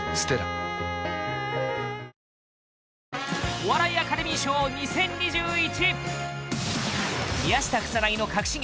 お笑いアカデミー賞２０２１